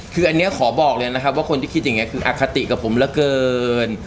คืออันนี้ขอบอกเลยนะครับว่าคนที่คิดอย่างนี้คืออคติกับผมเหลือเกิน